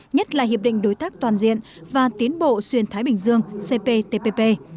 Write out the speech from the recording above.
nhất là hiệp định đối tác toàn diện và tiến bộ xuyên thái bình dương cptpp